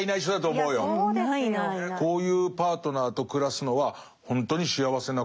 こういうパートナーと暮らすのはほんとに幸せなことだと思う。